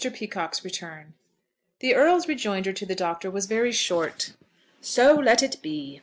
PEACOCKE'S RETURN. THE Earl's rejoinder to the Doctor was very short: "So let it be."